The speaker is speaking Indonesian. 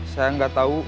saya gak tahu